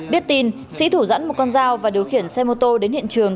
biết tin sĩ thủ dẫn một con dao và điều khiển xe mô tô đến hiện trường